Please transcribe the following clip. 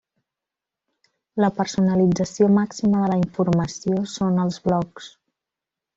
La personalització màxima de la informació són els blocs.